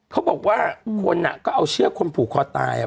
เขาบอกว่าคนก็เอาเชือกคนผูกคอตาย